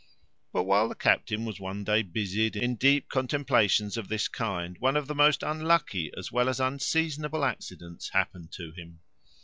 But while the captain was one day busied in deep contemplations of this kind, one of the most unlucky as well as unseasonable accidents happened to him.